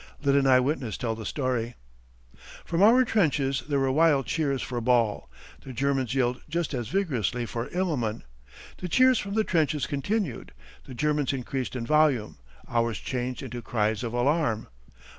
Let an eye witness tell the story: From our trenches there were wild cheers for Ball. The Germans yelled just as vigorously for Immelman. The cheers from the trenches continued; the Germans increased in volume; ours changed into cries of alarm.